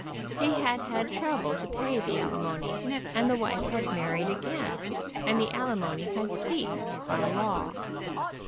He had had trouble to pay the alimony, and the wife had married again, and the alimony had ceased by law.